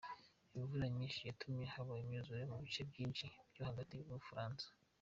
Imvura nyinshi yatumye haba imyuzure mu bice vyinshi vyo hagati h'Ubufaransa.